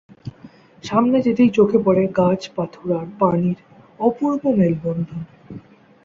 সামনে যেতেই চোখে পড়ে গাছ, পাথর আর পানির অপূর্ব মেলবন্ধন।